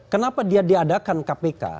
kenapa dia diadakan kpk